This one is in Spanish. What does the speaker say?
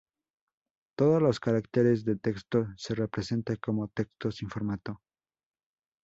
Todos los caracteres de texto se representa como texto sin formato.